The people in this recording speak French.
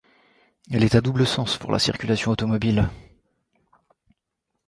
Elle est à double sens pour la circulation automobile.